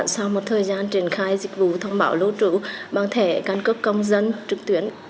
sau một thời gian triển khai dịch vụ thông báo lưu trữ bằng thẻ căn cước công dân trực tuyến